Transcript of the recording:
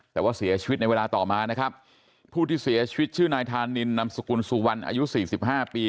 แต่ว่าเสียชีวิตในเวลาต่อมานะครับผู้ที่เสียชีวิตชื่อนายธานินนำสกุลสุวรรณอายุสี่สิบห้าปี